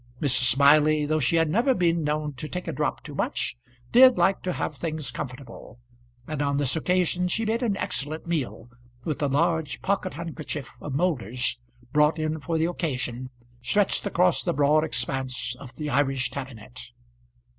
Mrs. Smiley, though she had never been known to take a drop too much, did like to have things comfortable; and on this occasion she made an excellent meal, with a large pocket handkerchief of Moulder's brought in for the occasion stretched across the broad expanse of the Irish tabinet.